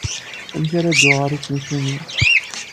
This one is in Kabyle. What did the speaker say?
Amek ara dduɣ ɣer usensu-nni?